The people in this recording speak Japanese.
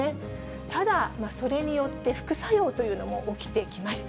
ただ、それによって副作用というのも起きてきました。